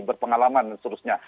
berpengalaman dan seterusnya